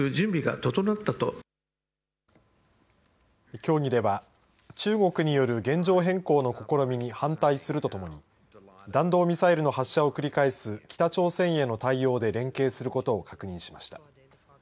協議では中国による現状変更の試みに反対するとともに弾道ミサイルの発射を繰り返す北朝鮮の対応で連携することを確認しました。